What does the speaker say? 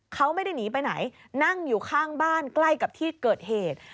เขาไม่ได้หนีไปไหนนั่งอยู่ข้างบ้านใกล้กับที่เกิดเหตุ